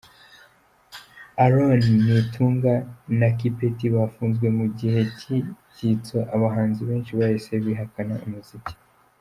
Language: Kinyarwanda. Aaron Nitunga na Kipeti bafunzwe mu gihe cy’ibyitso, abahanzi benshi bahise bihakana umuziki.